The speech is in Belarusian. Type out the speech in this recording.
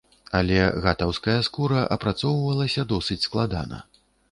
Але гатаўская скура апрацоўвалася досыць складана.